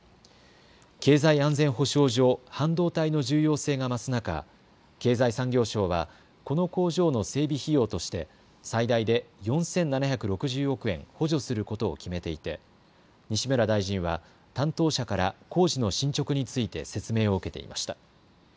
経済安全保障上、半導体の重要性が増す中、経済産業省はこの工場の整備費用として最大で４７６０億円補助することを決めていて西村大臣は担当者から工事の進捗について説明を受けていました。